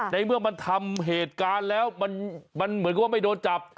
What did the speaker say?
ในเมื่อมันทำเหตุการณ์แล้วมันเหมือนกับว่าไม่โดนจับ